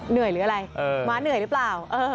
เหนื่อยหรืออะไรม้าเหนื่อยหรือเปล่า